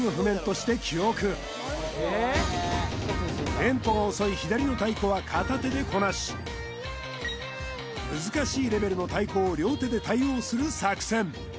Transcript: テンポが遅い左の太鼓は片手でこなし難しいレベルの太鼓を両手で対応する作戦